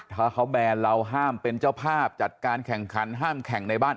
ถ้าเขาแบนเราห้ามเป็นเจ้าภาพจัดการแข่งขันห้ามแข่งในบ้าน